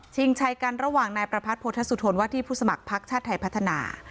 ชัยกันระหว่างนายประพัทธสุทนว่าที่ผู้สมัครพักชาติไทยพัฒนา